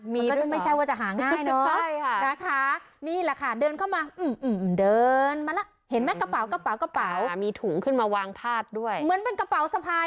มีด้วยไม่ใช่ว่าจะหาง่ายเนอะใช่ค่ะนะคะ